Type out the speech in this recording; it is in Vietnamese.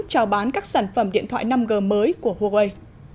trào bán các sản phẩm điện thoại năm g mới của huawei